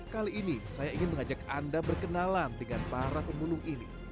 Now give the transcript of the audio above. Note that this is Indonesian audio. kali ini saya ingin mengajak anda berkenalan dengan para pemulung ini